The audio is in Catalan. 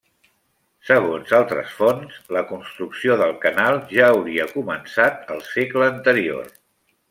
Segons altres fonts, la construcció del canal ja hauria començat al segle anterior.